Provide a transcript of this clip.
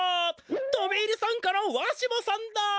とび入りさんかのわしもさんだ！